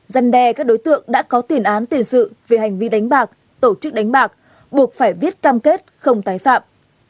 giăn đe các đối tượng đã có tiền án tiền sự về hành vi đánh bạc tổ chức đánh bạc buộc phải viết cam kết không tái phạm